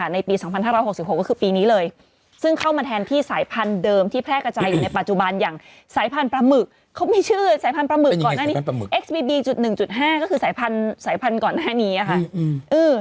ในปี๒๐๖๖ก็คือ